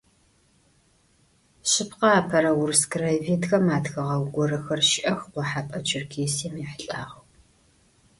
Шъыпкъэ, апэрэ урыс краеведхэм атхыгъэ горэхэр щыӏэх Къохьэпӏэ Черкесием ехьылӏагъэу.